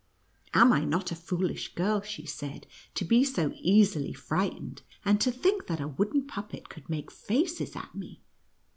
" Am I not a foolish girl," she said, " to be so easily frightened, and to think that a wooden puppet could make faces at me